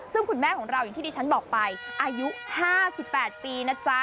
ซึ่งคุณแม่ของเราอย่างที่ดิฉันบอกไปอายุ๕๘ปีนะจ๊ะ